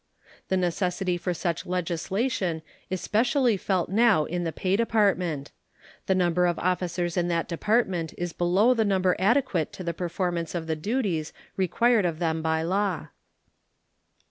The necessity for such legislation is specially felt now in the Pay Department. The number of officers in that department is below the number adequate to the performance of the duties required of them by law.